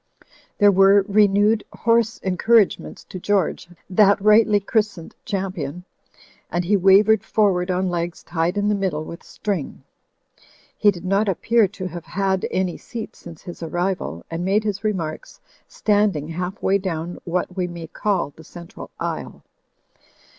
There were renewed hoarse encouragements to George (that rightly christened champion) and he wavered forward on legs tied in the middle with string. He did not appear to have had any seat since his arrival, and made his remarks standing half way down what we may call the central aisle.